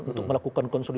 untuk melakukan konsultasi